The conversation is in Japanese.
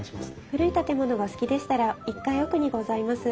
古い建物がお好きでしたら１階奥にございます